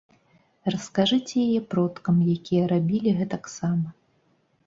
Раскажыце яе продкам, якія рабілі гэтак сама.